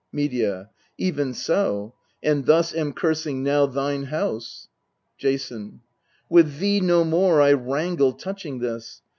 Medea. Even so and thus am cursing now thine house ? Jason. With thee no more I wrangle touching this.